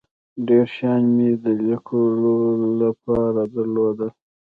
ډیر شیان مې د لیکلو له پاره درلودل.